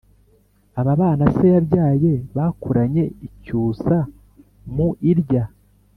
Aba bana se yabyaye bakuranye icyusa mu irya